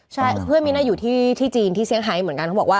คุณพี่มีน่ะอยู่ที่ที่จีนที่เสียงไฮค์เหมือนกัน